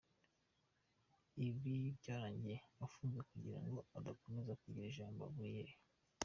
Ibi byarangiye afunzwe kugira ngo adakomeza kugira ijambo muri Rayon.